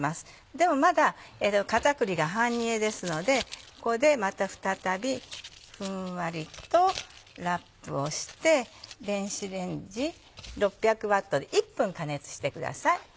でもまだ片栗が半煮えですのでここでまた再びふんわりとラップをして電子レンジ６００Ｗで１分加熱してください。